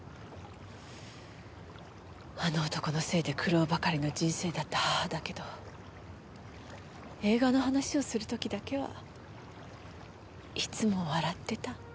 あの男のせいで苦労ばかりの人生だった母だけど映画の話をする時だけはいつも笑ってた。